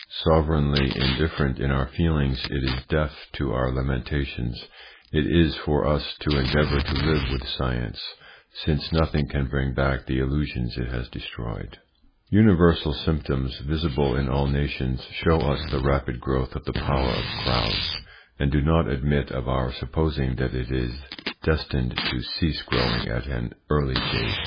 Sovereignly indifferent to our feelings, it is deaf to our lamentations. It is for us to endeavour to live with science, since nothing can bring back the illusions it has destroyed. Universal symptoms, visible in all nations, show us the rapid growth of the power of crowds, and do not admit of our supposing that it is destined to cease growing at an early date.